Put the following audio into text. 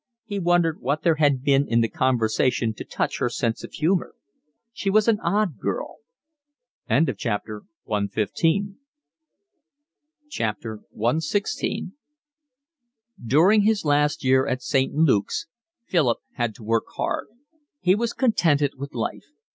He wondered what there had been in the conversation to touch her sense of humour. She was an odd girl. CXVI During his last year at St. Luke's Philip had to work hard. He was contented with life.